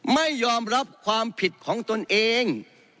ไม่ยอมรับความผิดของตนเอง